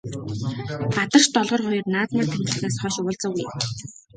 Бадарч Долгор хоёр наадмаар танилцсанаас хойш уулзаагүй.